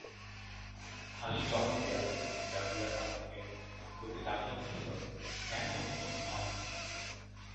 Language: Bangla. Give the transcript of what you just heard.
হাসি চমকিয়া জাগিয়া তাতাকে বুকে চাপিয়া কহিল, কেন উঠব না ধন!